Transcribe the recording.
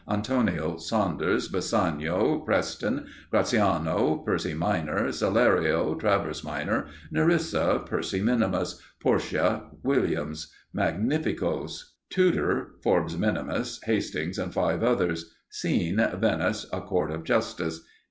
Antonio. Saunders. Bassanio. Preston. Gratiano. Percy Minor. Salerio. Travers Minor. Nerissa. Percy Minimus. Portia. Williams. Magnificoes. Tudor, Forbes Minimus, Hastings, and five others. Scene: Venice. A Court of Justice.